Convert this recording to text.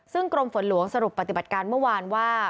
ซึ่งกรมฝนหลวงสรุปปฏิบัติการเมื่อวานว่า